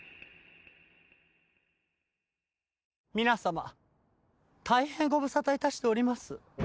皆様大変ご無沙汰致しております。